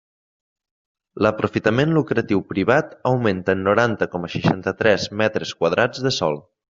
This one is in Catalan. L'aprofitament lucratiu privat augmenta en noranta coma seixanta-tres metres quadrats de sòl.